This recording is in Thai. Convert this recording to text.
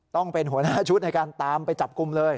ต้องเป็นหัวหน้าชุดในการตามไปจับกลุ่มเลย